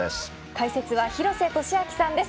解説は廣瀬俊朗さんです。